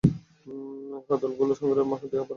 এই হাতলগুলো হাঙ্গরের হাড় দিয়ে বানানো।